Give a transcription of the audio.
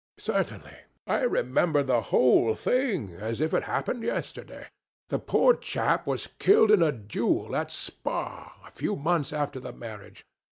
Certainly. I remember the whole thing as if it happened yesterday. The poor chap was killed in a duel at Spa a few months after the marriage.